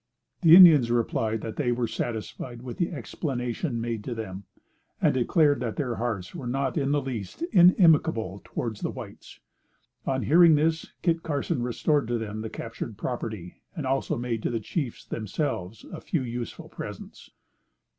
The Indians replied that they were satisfied with the explanation made to them, and declared that their hearts were not in the least inimical towards the whites. On hearing this, Kit Carson restored to them the captured property, and also made to the chiefs themselves a few useful presents.